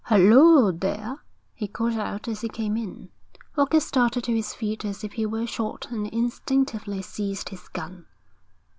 'Hulloa, there,' he called out, as he came in. Walker started to his feet as if he were shot and instinctively seized his gun.